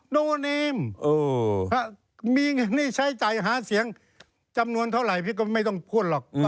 โนนิมถ้ามีหนี้ใช้จ่ายหาเสียงจำนวนเท่าไหร่พี่ก็ไม่ต้องพูดหรอก